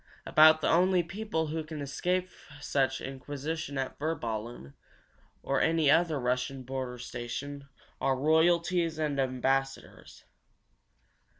About the only people who can escape such inquisition at Virballen or any other Russian border station are royalties and ambassadors.